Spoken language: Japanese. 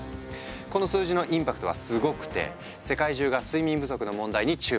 この数字のインパクトはすごくて世界中が睡眠不足の問題に注目。